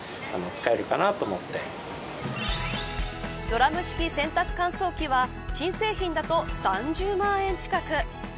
ドラム式洗濯乾燥機は新製品だと３０万円近く。